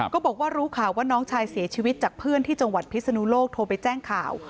ก็บอกว่ารู้ข่าวว่าน้องชายเสียชีวิตจากเพื่อนที่จังหวัดพิศนุโลกโทรไปแจ้งข่าว